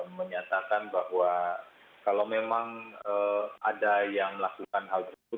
menyatakan bahwa kalau memang ada yang melakukan hal tersebut